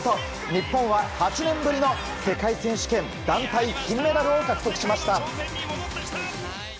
日本は８年ぶりの世界選手権団体金メダルを獲得しました。